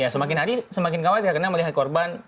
semakin hari semakin khawatir karena melihat korban